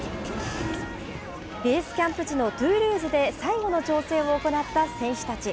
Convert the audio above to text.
ベースキャンプ地のトゥールーズで最後の調整を行った選手たち。